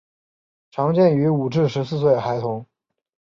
常见于五至十四岁孩童。